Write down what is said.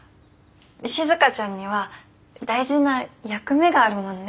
静ちゃんには大事な役目があるもんね。